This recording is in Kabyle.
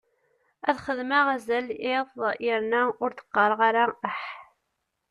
Ad xedmeɣ azal iḍ yerna ur d-qqareɣ ara aḥ.